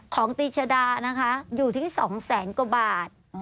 ของตีชดาอยู่ที่สองแสนกว่าบาท